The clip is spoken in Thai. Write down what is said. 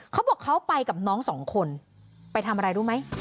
เขาบอกเขาไปกับน้องสองคนไปทำอะไรรู้ไหม